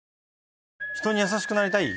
人に優しくなりたい？